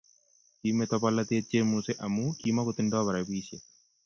Kimeto polatet Chemuse amu kimokotindo rabisiek